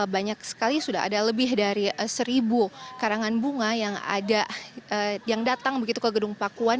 banyak sekali sudah ada lebih dari seribu karangan bunga yang datang begitu ke gedung pakuan